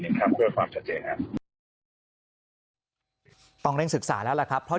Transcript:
ครับเพื่อความชัดเจนครับต้องเร่งศึกษาแล้วล่ะครับเพราะ